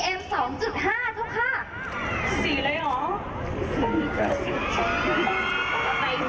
อยากเหมือนภาพทุกคน